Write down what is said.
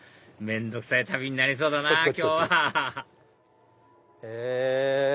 面倒くさい旅になりそうだなぁ今日はへぇ。